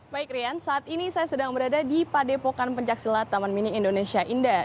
baik rian saat ini saya sedang berada di padepokan pencaksilat taman mini indonesia indah